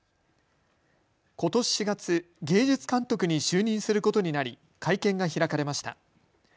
ことし４月、芸術監督に就任することになり会見が開かれました。